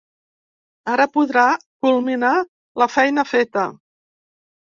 Ara podrà culminar la feina feta.